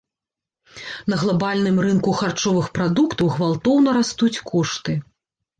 На глабальным рынку харчовых прадуктаў гвалтоўна растуць кошты.